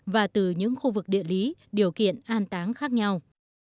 và từ những khu vực địa lý điều kiện an táng khác nhau